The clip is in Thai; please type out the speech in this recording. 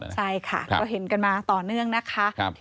ใช่ค่ะก็เห็นกันมาต่อเนื่องนะคะ